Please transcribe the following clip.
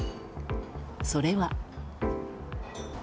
それは。